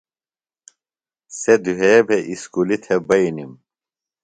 سےۡ دُھے بےۡ اُسکُلیۡ تھےۡ بئینِم۔